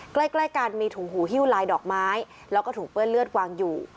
ใกล้ใกล้กันมีถุงหูฮิ้วลายดอกไม้แล้วก็ถุงเปื้อนเลือดวางอยู่